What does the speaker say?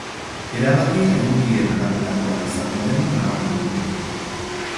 Erabakia edukien araberakoa izango dela nabarmendu du.